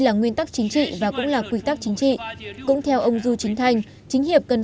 là nguyên tắc chính trị và cũng là quy tắc chính trị cũng theo ông du chính thanh chính hiệp cần